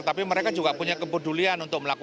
tapi mereka juga punya kepedulian untuk melakukan